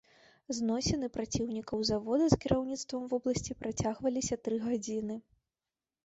Зносіны праціўнікаў завода з кіраўніцтвам вобласці працягваліся тры гадзіны.